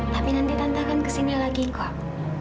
tapi nanti tante akan kesini lagi kok